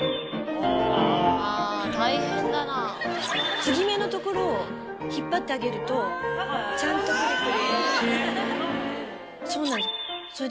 継ぎ目の所を引っ張ってあげるとちゃんとクルクル。